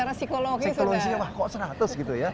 psikologi sudah wah kok seratus gitu ya